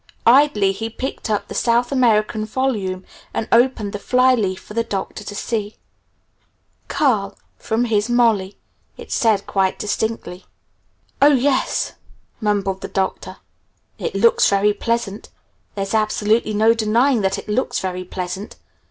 Idly he picked up the South American volume and opened the fly leaf for the Doctor to see. "Carl from his Molly," it said quite distinctly. "Oh, yes," mumbled the Doctor. "It looks very pleasant. There's absolutely no denying that it looks very pleasant.